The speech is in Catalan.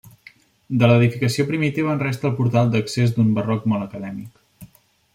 De l'edificació primitiva en resta el portal d'accés d'un barroc molt acadèmic.